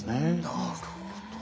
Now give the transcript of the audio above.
なるほど。